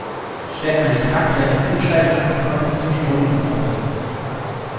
Stellt man die Tragflächen zu steil an, kommt es zum Strömungsabriss.